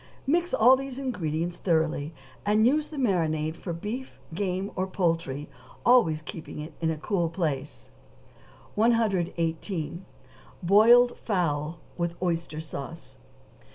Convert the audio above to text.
Mix all these ingredients thoroughly, and use the marinade for beef, game, or poultry, always keeping it in a cool place. 118. =Boiled Fowl with Oyster Sauce.